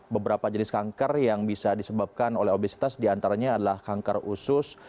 beberapa jenis kanker yang bisa disebabkan oleh obesitas diantaranya adalah kanker usus